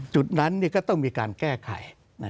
จุดนั้นก็ต้องมีการแก้ไข